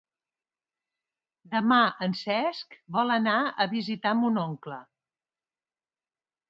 Demà en Cesc vol anar a visitar mon oncle.